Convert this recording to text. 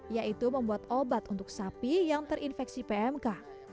yaitu membuat obat untuk sapi yang terinfeksi pmk